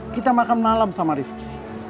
kita makan malam sama rifki